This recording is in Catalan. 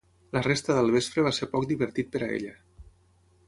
La resta del vespre va ser poc divertit per a ella.